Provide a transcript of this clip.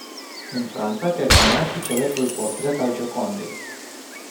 În Franța termină și celebrul portret al Giocondei.